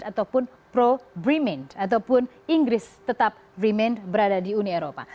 ataupun pro breement ataupun inggris tetap bremen berada di uni eropa